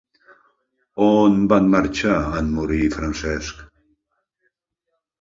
On van marxar en morir Francesc?